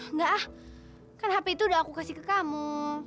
enggak ah kan hp itu udah aku kasih ke kamu